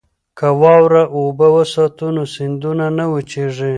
که واوره اوبه وساتو نو سیندونه نه وچیږي.